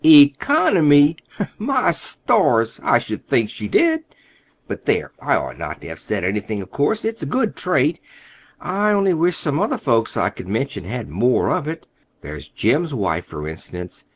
"Economy! My stars, I should think she did! But, there, I ought not to have said anything, of course. It's a good trait. I only wish some other folks I could mention had more of it. There's Jim's wife, for instance.